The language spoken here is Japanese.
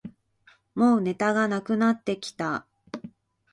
もうネタがなくなってきた